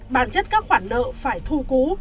bản chất các khoản nợ phải thu cũ